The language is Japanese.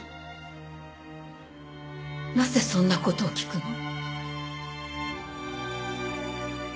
なぜそんな事を聞くの？